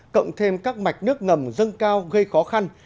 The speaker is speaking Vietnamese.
cộng thêm các mạch nước ngầm dâng cao gây khó khăn